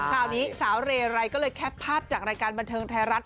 คราวนี้สาวเรไรก็เลยแคปภาพจากรายการบันเทิงไทยรัฐ